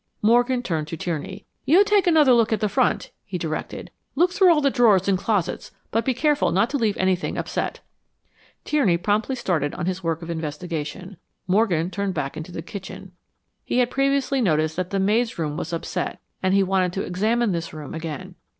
Morgan turned to Tierney. "You take another look at the front," he directed. "Look through all the drawers and closets, but be careful not to leave anything upset." Tierney promptly started on his work of investigation. Morgan turned back into the kitchen. He had previously noticed that the maid's room was upset and he wanted to examine this room again.